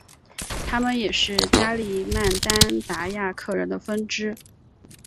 他们也是加里曼丹达雅克人的分支。